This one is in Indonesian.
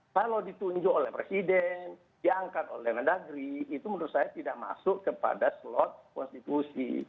kalau ditunjuk oleh presiden diangkat oleh mendagri itu menurut saya tidak masuk kepada slot konstitusi